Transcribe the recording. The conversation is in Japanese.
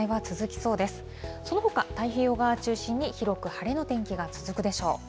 そのほか、太平洋側中心に広く晴れの天気が続くでしょう。